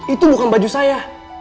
itu bukan baju saya